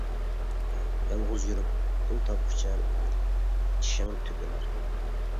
يالغۇز يۈرۈپ پۇل تاپقۇچە، چىشىڭ تۆكۈلەر.